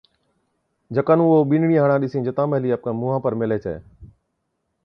جڪا نُون او ٻِينڏڙِين ھاڙان ڏِسِين جتان مَھلِي آپڪي مُنھان پر ميلھي ڇَي